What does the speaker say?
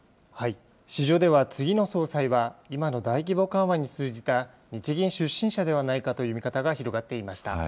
市場では次の総裁は今の大規模緩和に通じた日銀出身者ではないかという見方が広がっていました。